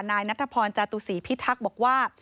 นายนัทพรจาตุศรีพิทักษ์บอกว่า